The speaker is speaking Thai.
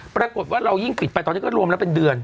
ปรากฏว่าเรายิ่งปิดไปตอนนี้ก็รวมแล้วเป็นเดือน